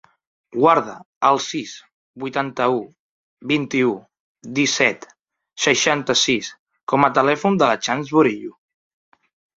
Guarda el sis, vuitanta-u, vint-i-u, disset, seixanta-sis com a telèfon de la Chams Burillo.